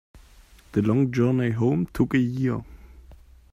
The long journey home took a year.